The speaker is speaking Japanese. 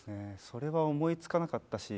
それは思いつかなかったし